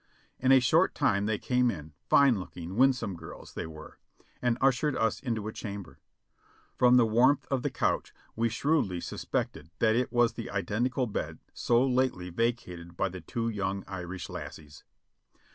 In a short time they came in, fine looking, winsome girls they were, and ushered us into a chamber. From the warmth of the couch we shrewdly suspected that it was the identical bed so lately va cated by the two young Irish lassies.